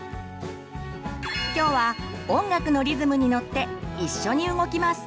今日は音楽のリズムにのっていっしょに動きます。